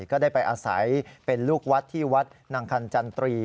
ก็ได้ไปอาศัยเป็นลูกวัดที่วัดนางคันจันตรี